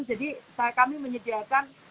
jadi kami menyediakan